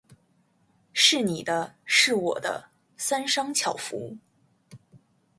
是你的；是我的，三商巧福。